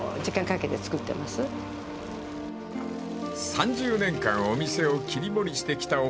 ［３０年間お店を切り盛りしてきたおふくろ］